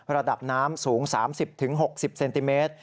ระดับน้ำสูง๓๐๖๐เซนติเมตร